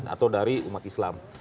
atau dari umat islam